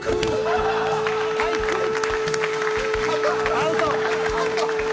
アウト。